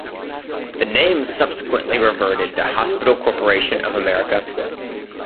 The name subsequently reverted to Hospital Corporation of America.